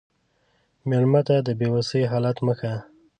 مېلمه ته د بې وسی حال مه ښیه.